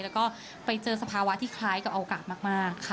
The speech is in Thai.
แล้วก็ไปเจอสภาวะที่คล้ายกับโอกาสมากค่ะ